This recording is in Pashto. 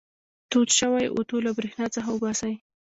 تود شوی اوتو له برېښنا څخه وباسئ.